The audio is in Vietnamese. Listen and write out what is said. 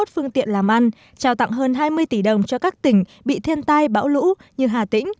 một trăm bốn mươi một phương tiện làm ăn trao tặng hơn hai mươi tỷ đồng cho các tỉnh bị thiên tai bão lũ như hà tĩnh